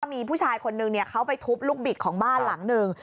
มีผู้ชายคนนึงเขาไปทุบลูกบิดของบ้านหลังหนึ่ง